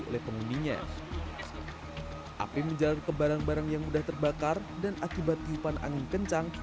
oleh penghuninya api menjalar ke barang barang yang mudah terbakar dan akibat tiupan angin kencang